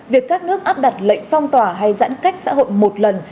việc các nước áp đặt lệnh phong tỏa hay giãn cách xã hội một lần